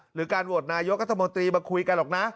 หรือการโหวตนายกรัฐมนตรีมาคุยกันหรอกนะ